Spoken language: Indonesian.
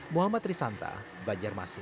muhammad risanta banjarmasin